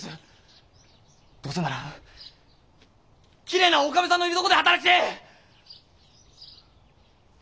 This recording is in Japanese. どうせならきれいな女将さんのいるとこで働きてえ！